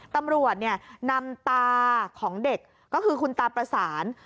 ตำรวจนำตาของเด็กก็คือคุณตาประสาน